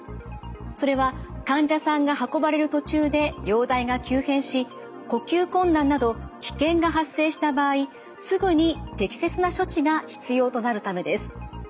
それは患者さんが運ばれる途中で容体が急変し呼吸困難など危険が発生した場合すぐに適切な処置が必要となるためです。